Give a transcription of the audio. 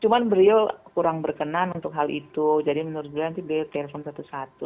cuma beliau kurang berkenan untuk hal itu jadi menurut beliau nanti beliau telepon satu satu